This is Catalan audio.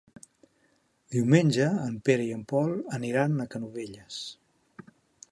Diumenge en Pere i en Pol aniran a Canovelles.